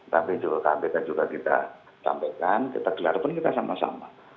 tapi juga kpk juga kita sampaikan kita gelar pun kita sama sama